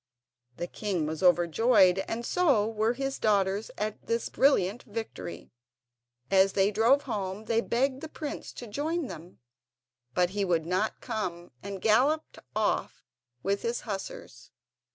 The king was overjoyed and so were his daughters at this brilliant victory. As they drove home they begged the prince to join them, but he would not come, and galloped off with his hussars.